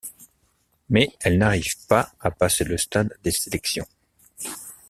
Mais elle n'arrive pas à passer le stade des sélections.